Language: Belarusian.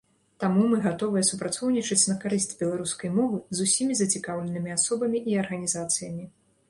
Таму мы гатовыя супрацоўнічаць на карысць беларускай мовы з усімі зацікаўленымі асобамі і арганізацыямі.